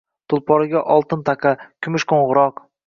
Tulporiga oltin taqa, kumush qo’ng’iroq